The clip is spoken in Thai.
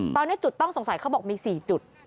ตอนนี้จุดต้องสงสัยเขาบอกมี๔จุด